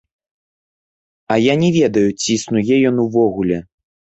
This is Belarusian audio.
А я не ведаю, ці існуе ён увогуле.